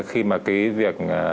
khi mà cái việc